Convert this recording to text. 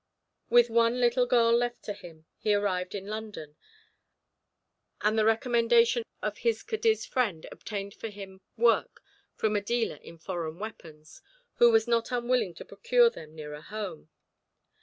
With the one little girl left to him, he arrived in London, and the recommendation of his Cadiz friend obtained for him work from a dealer in foreign weapons, who was not unwilling to procure them nearer home.